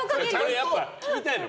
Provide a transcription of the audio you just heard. これやっぱ聞きたいの。